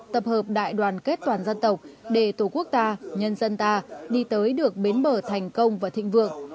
tập hợp đại đoàn kết toàn dân tộc để tổ quốc ta nhân dân ta đi tới được bến bờ thành công và thịnh vượng